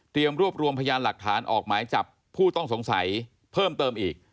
รวบรวมพยานหลักฐานออกหมายจับผู้ต้องสงสัยเพิ่มเติมอีก